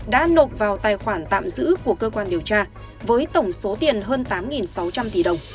đã nộp vào tài khoản tạm giữ của cơ quan điều tra với tổng số tiền hơn tám sáu trăm linh tỷ đồng